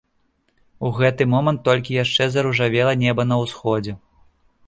У гэты момант толькі яшчэ заружавела неба на ўсходзе.